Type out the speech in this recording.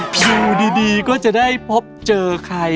อยู่ดีก็จะได้พบเจอใคร